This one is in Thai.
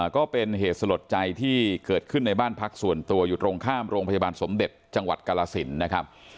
ก็เป็นเหตุสลดใจที่เกิดขึ้นในบ้านพักส่วนตัวอยู่ตรงข้ามโรงพยาบาลสมเด็จจังหวัดกาลสินนะครับ